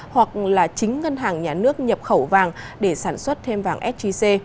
hoặc là chính ngân hàng nhà nước nhập khẩu vàng để sản xuất thêm vàng sgc